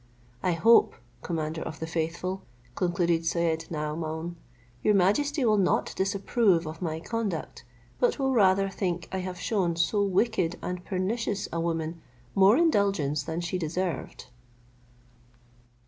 "I hope, commander of the faithful," concluded Syed Naomaun, "your majesty will not disapprove of my conduct, but will rather think I have shewn so wicked and pernicious a woman more indulgence than she deserved."